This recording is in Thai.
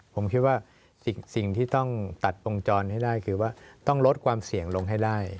ผมคิดว่าสิ่งที่ต้องตัดวงจรให้ได้คือว่าต้องลดความเสี่ยงลงให้ได้